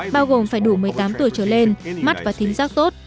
bao gồm phải đủ một mươi tám tuổi trở lên mắt và tính giác tốt